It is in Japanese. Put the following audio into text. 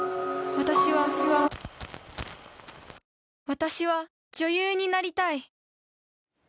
私は女優になりたい。